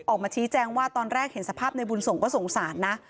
ออกมาชี้แจงว่าตอนแรกเห็นสภาพในบุญส่งก็สงสารนะ